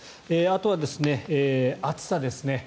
あとは暑さですね。